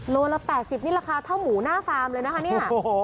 โลละ๘๐นี่ราคาเท่าหมูหน้าฟาร์มเลยนะคะเนี่ย